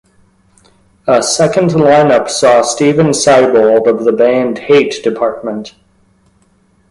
A second lineup saw Steven Seibold of the band Hate Dept.